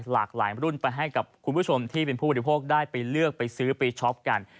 หลากหลายรุ่นไปให้กับคุณผู้ชมที่เป็นผู้บริโภคได้ไปเลือกไปซื้อไปช็อปกัน